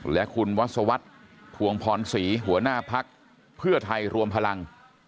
และคุณวัศวัฒน์ทวงพรศรีหัวหน้าภาคเพื่อไทยรวมพลัง